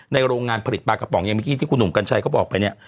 โรงงานผลิตปลากระป๋องอย่างเมื่อกี้ที่คุณหนุ่มกัญชัยเขาบอกไปเนี่ย